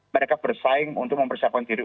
mereka bersaing untuk mempersiapkan diri